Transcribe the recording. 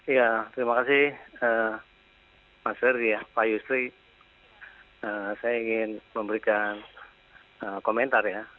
ya terima kasih mas ferry ya pak yusri saya ingin memberikan komentar ya